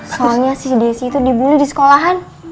soalnya si desi itu dibully di sekolahan